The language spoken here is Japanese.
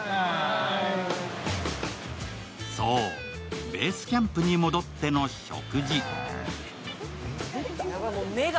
そう、ベースキャンプに戻っての食事。